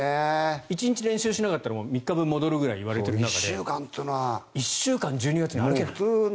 １日練習しなかったらもう３日分戻るぐらい言われている中で１週間、１２月というのは。